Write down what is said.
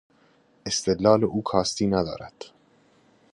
استدلال او کاستی ندارد.